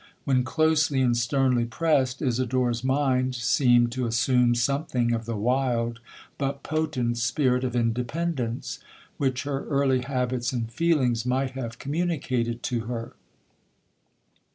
When closely and sternly pressed, Isidora's mind seemed to assume something of the wild but potent spirit of independence, which her early habits and feelings might have communicated to her.